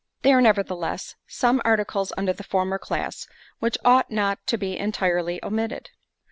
There are, nevertheless, some articles under the former class, which ought not to be entirely omitted.